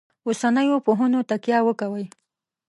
اوسنیو پوهنو تکیه وکوي.